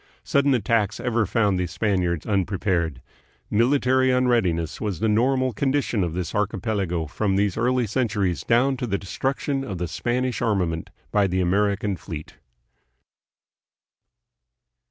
Sudden attacks ever found the Spaniards unprepared. Military unreadiness was the normal condition of this archipelago from these early centuries down to the destruction of the Spanish armament by the American fleet.